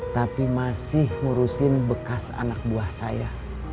tapi masih ngurusin bekas anak buah saya